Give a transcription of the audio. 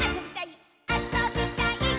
あそびたいっ！」